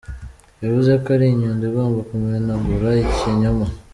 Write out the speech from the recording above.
Yavuze ko ari inyundo igomba kumenagura ikinyoma